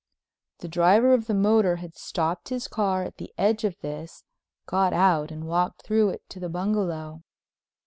The driver of the motor had stopped his car at the edge of this, got out and walked through it to the bungalow.